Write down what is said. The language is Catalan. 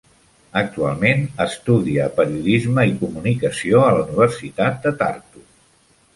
Actualment estudia periodisme i comunicació a la universitat de Tartu.